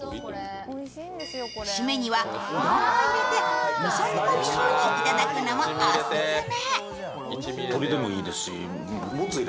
締めにはうどんを入れて、みそ煮込み風に頂くのもオススメ。